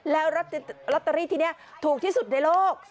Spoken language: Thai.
แล้วลอตเตอรี่ที่นี้ถูกที่สุดในโลก